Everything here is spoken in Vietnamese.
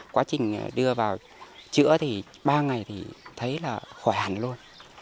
quá trình đưa vào chữa thì ba ngày thì thấy là khỏe hẳn luôn